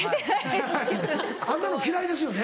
あんなの嫌いですよね。